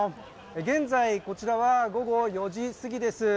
現在、こちらは午後４時すぎです。